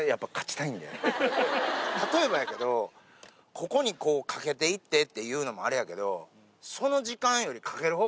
ここにこうかけていってっていうのもあれやけど。